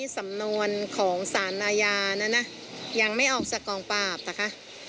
สำนวนของศาลนายายังไม่ออกจากกองปาบนะคะ